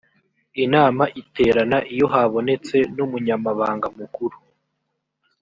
inama iterana iyo habonetse n’umunyamabanga mukuru